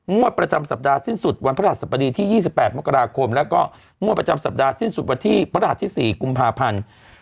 ประจำสัปดาห์สิ้นสุดวันพระราชสบดีที่๒๘มกราคมแล้วก็งวดประจำสัปดาห์สิ้นสุดวันที่พระหัสที่๔กุมภาพันธ์